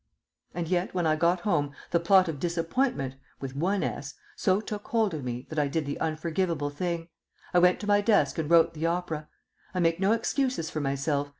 And yet, when I got home, the plot of "Disappointment" (with one "s") so took hold of me that I did the unforgivable thing; I went to my desk and wrote the opera. I make no excuses for myself.